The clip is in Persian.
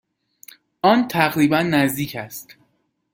آن تقریبا نزدیک است.